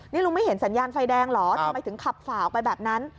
นี่ลุงไม่เห็นสัญญาณไฟแดงเหรอทำไมถึงขับฝ่าออกไปแบบนั้น